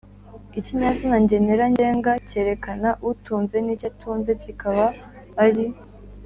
ikinyazina ngenera ngenga kerekana utunze n’icyo atunze kikaba ari